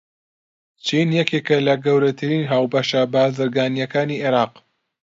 چین یەکێکە لە گەورەترین هاوبەشە بازرگانییەکانی عێراق.